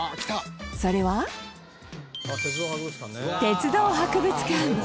それは鉄道博物館